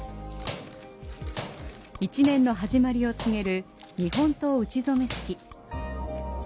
１年の始まりを告げる日本刀打ち初め式。